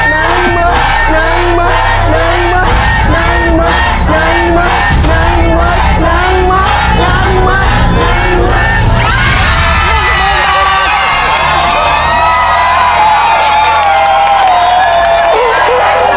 น้ำมะน้ำมะน้ำมะน้ำมะน้ำมะน้ำมะ